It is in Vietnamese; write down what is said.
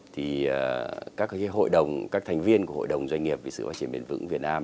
thì các hội đồng các thành viên của hội đồng doanh nghiệp về sự phát triển bền vững việt nam